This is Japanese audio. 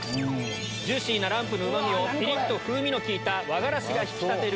ジューシーなランプのうま味をピリっと風味の効いた和がらしが引き立てる